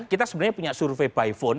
kita sebenarnya punya survei by phone